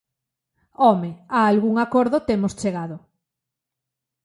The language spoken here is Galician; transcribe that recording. ¡Home!, a algún acordo temos chegado.